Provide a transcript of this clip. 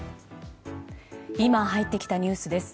今入ってきたニュースです。